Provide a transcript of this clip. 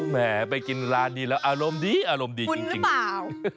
แหมไปกินร้านนี้แล้วอารมณ์ดีคุณหรือเปล่า